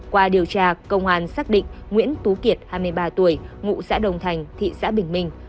qua điều tra công an xác định nguyễn tú kiệt hai mươi ba tuổi ngụ xã đồng thành thị xã bình minh